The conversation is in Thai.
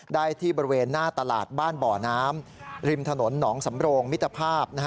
ได้ที่บริเวณหน้าตลาดบ้านบ่อน้ำริมถนนหนองสำโรงมิตรภาพ